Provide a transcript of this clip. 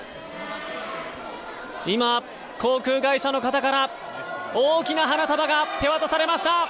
今、航空会社の方から大きな花束が手渡されました。